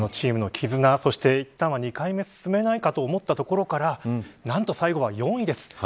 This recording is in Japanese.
チームの絆、いったんは２回目に進めないかというところから何と、最後は４位です。